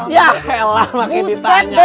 ya elah lagi ditanya lah